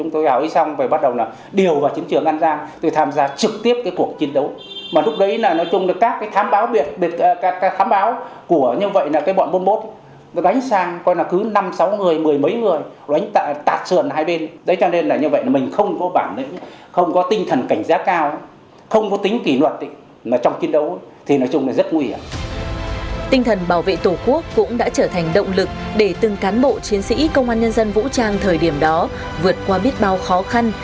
tinh thần bảo vệ tổ quốc cũng đã trở thành động lực để từng cán bộ chiến sĩ công an nhân dân vũ trang thời điểm đó vượt qua biết bao khó khăn